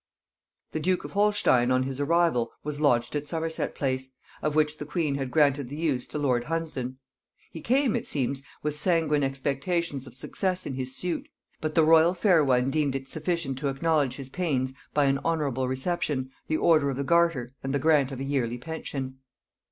The duke of Holstein on his arrival was lodged at Somerset Place, of which the queen had granted the use to lord Hunsdon. He came, it seems, with sanguine expectations of success in his suit; but the royal fair one deemed it sufficient to acknowledge his pains by an honorable reception, the order of the garter, and the grant of a yearly pension.